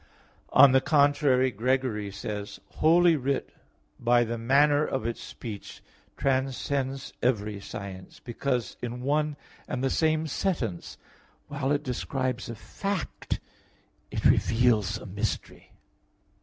On the contrary, Gregory says (Moral. xx, 1): "Holy Writ by the manner of its speech transcends every science, because in one and the same sentence, while it describes a fact, it reveals a mystery."